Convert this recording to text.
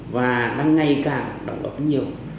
và đang ngày càng động lực nhiều